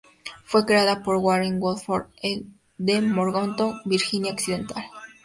Fue creada por Warren Woodford de Morgantown, Virginia Occidental.